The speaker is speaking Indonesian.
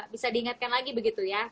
bisa diingatkan lagi begitu ya